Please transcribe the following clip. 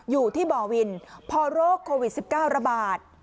อยู่ที่บ่อวินพอโรคโควิด๑๙ระบาด